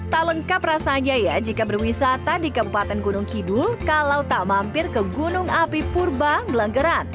tak lengkap rasanya ya jika berwisata di kabupaten gunung kidul kalau tak mampir ke gunung api purbang belanggeran